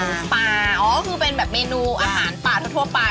เปล่าอ๋อก็คือเป็นแบบเมนูอาหารป่าทั่วไป